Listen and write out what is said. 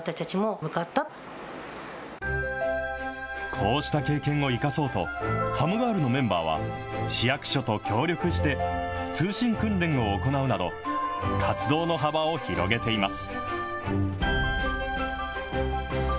こうした経験を生かそうと、ハムガールのメンバーは、市役所と協力して、通信訓練を行うなど、活動の幅を広げています。